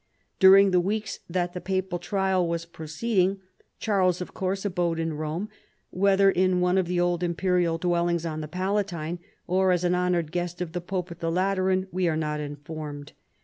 During the weeks that the papal trial was pro ceeding Charles, of course, abode in Rome, whether in one of the old imperial dwellings on the Palatine, or as an honored guest of the pope at the Lateran, Ave are not informed.